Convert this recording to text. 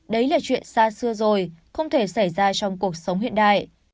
đấy là chuyện xa xưa rồi không thể xảy ra trong cuộc sống hiện đại